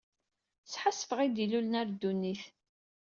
Sḥassfeɣ i d-ilulen ɣer ddunit.